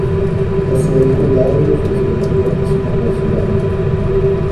La sede del condado es Refugio, al igual que su mayor ciudad.